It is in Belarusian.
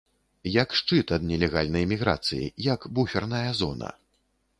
Як шчыт ад нелегальнай міграцыі, як буферная зона.